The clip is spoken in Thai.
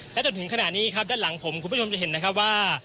และจนถึงขณะนี้ครับด้านหลังผมคุณผู้ชมจะเห็นนะครับว่า